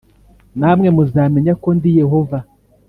Namwe muzamenya ko ndi yehova